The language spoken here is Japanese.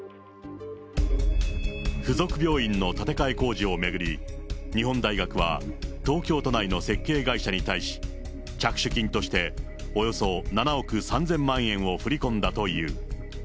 附属病院の建て替え工事を巡り、日本大学は東京都内の設計会社に対し、着手金としておよそ７億３０００万円を振り込んだという。